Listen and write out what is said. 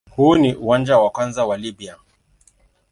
Huu ni uwanja wa kwanza wa Libya.